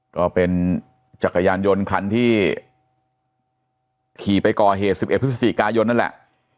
ก็เป็นจักรยานยนต์คันที่ขี่ไปก่อเหตุ๑๑พฤศจิกายนนั่นแหละ